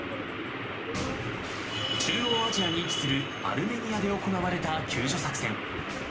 中央アジアに位置するアルメニアで行われた救助作戦。